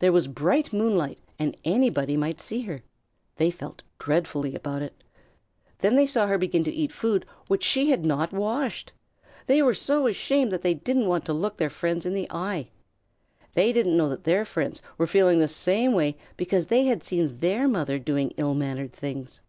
There was bright moonlight and anybody might see her. They felt dreadfully about it. Then they saw her begin to eat food which she had not washed. They were so ashamed that they didn't want to look their friends in the eye. They didn't know that their friends were feeling in the same way because they had seen their mother doing ill mannered things.